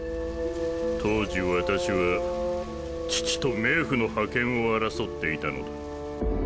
当時私は父と冥府の覇権を争っていたのだ。